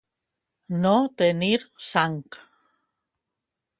No tenir sang.